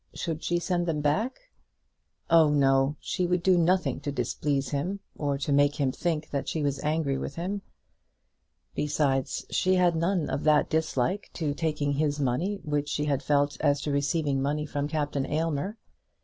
Should she send them back? Oh no; she would do nothing to displease him, or to make him think that she was angry with him. Besides, she had none of that dislike to taking his money which she had felt as to receiving money from Captain Aylmer.